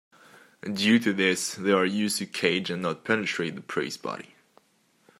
Due to this they are used to cage and not penetrate the prey's body.